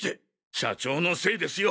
社長のせいですよ！